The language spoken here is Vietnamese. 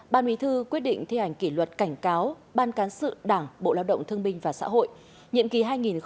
ban bí thư quyết định thi hành kỷ luật cảnh cáo ban cán sự đảng bộ lao động thương minh và xã hội nhiệm kỳ hai nghìn một mươi một hai nghìn một mươi sáu